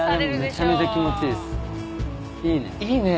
いいね。